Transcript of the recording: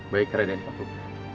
baik reda dan pak buk